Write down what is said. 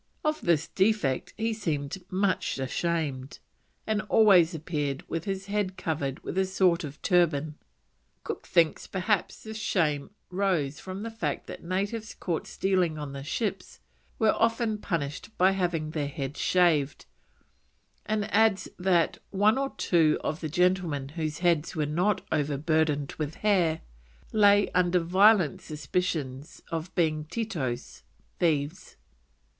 Of this defect he seemed much ashamed, and always appeared with his head covered with a sort of turban. Cook thinks perhaps this shame rose from the fact that natives caught stealing on the ships were often punished by having their heads shaved, and adds that "one or two of the gentlemen whose heads were not overburdened with hair, lay under violent suspicions of being titos (thieves)."